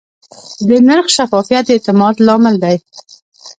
د نرخ شفافیت د اعتماد لامل دی.